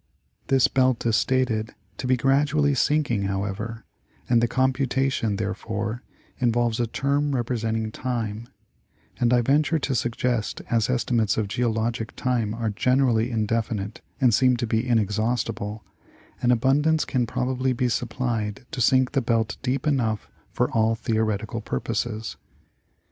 This belt is stated to be gradually sinking, however, and the computa tion, therefore, involves a term representing time, and I venture to suggest as estimates of Geologic time are generally indefinite and seem to be inexhaustible, an abundance can probably be supplied to sink the belt deep enough for all theoretical purposes.